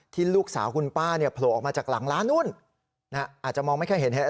ที่ลูกสาวคุณป้าเนี้ยโผล่ออกมาจากหลังร้านนู้นน่ะอาจจะมองไม่แค่เห็นแหละ